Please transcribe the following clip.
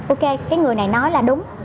ok cái người này nói là đúng